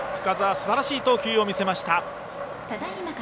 すばらしい投球を見せました。